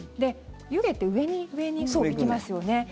湯気って上に上に行きますよね。